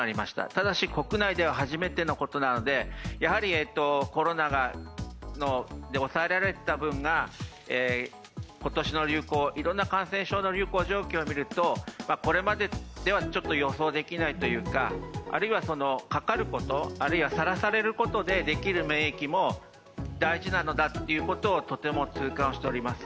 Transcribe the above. ただし国内では初めてのことなので、コロナで抑えられていた部分が今年の流行、いろんな感染症の流行状況をみるとこれまででは予想できないというかあるいは、かかること、あるいは、さらされることでできる免疫も大事なのだということをとても痛感しております。